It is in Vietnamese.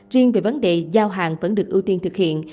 riêng về vấn đề giao hàng vẫn được ưu tiên thực hiện